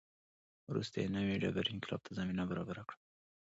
وروسته یې نوې ډبرې انقلاب ته زمینه برابره کړه.